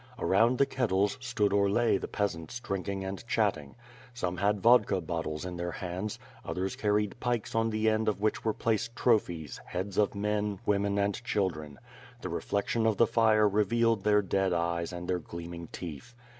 Around the kettles, stood or lay the peasants drinking and chatting. Some had vodki bottles in their hands, others carried pikes on the end of which were placed trophies, heads of men, women and children; the reflection of the fire revealed their dead eyes and their gleaming teeth.